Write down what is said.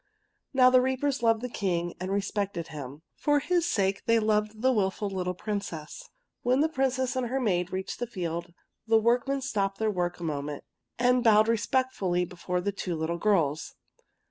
Now the reapers loved their king and re spected him. For his sake they loved the wilful little Princess. When the Princess and her maid reached the field the workmen stopped their work for a moment and bowed 162 THE POPPY respectfully before the two little girls.